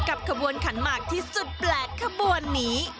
ขบวนขันหมากที่สุดแปลกขบวนนี้